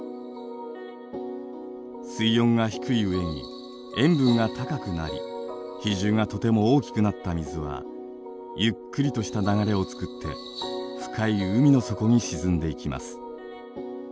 水温が低い上に塩分が高くなり比重がとても大きくなった水はゆっくりとした流れを作って深い海の底に沈んでいきます。